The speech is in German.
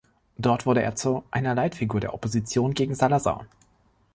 Dort wurde er zu einer Leitfigur der Opposition gegen Salazar.